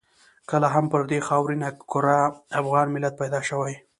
کله هم پر دې خاورینه کره افغان ملت پیدا شوی.